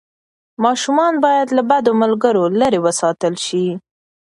ماشومان باید له بدو ملګرو لرې وساتل شي.